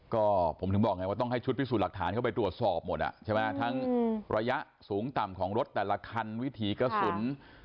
ก็ผมถึงบอกไงว่าต้องให้ชุดพิสูจน์หลักฐานเข้าไปตรวจสอบหมดอ่ะใช่ไหมทั้งระยะสูงต่ำของรถแต่ละคันวิถีกระสุน